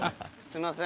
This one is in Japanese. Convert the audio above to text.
「すいません」